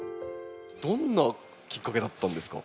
どんなきっかけだったんですか？